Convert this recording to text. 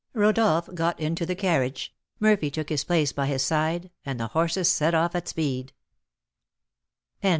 Rodolph got into the carriage, Murphy took his place by his side, and the horses set off at speed.